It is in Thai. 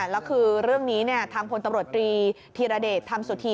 แล้วคือเรื่องนี้ทางพลตำรวจตรีธีรเดชธรรมสุธี